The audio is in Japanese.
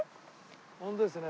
本当ですね。